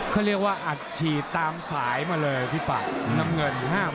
เขาเรียกว่าอัฏฯีสต์ตามสายมาเลยน้ำเงินห้าม